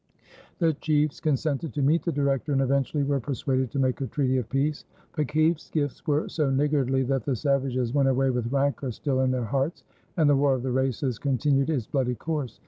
The chiefs consented to meet the Director and eventually were persuaded to make a treaty of peace; but Kieft's gifts were so niggardly that the savages went away with rancor still in their hearts, and the war of the races continued its bloody course.